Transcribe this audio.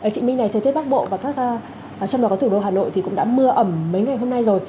chị minh này thời tiết bắc bộ và các trong đoạn của thủ đô hà nội thì cũng đã mưa ẩm mấy ngày hôm nay rồi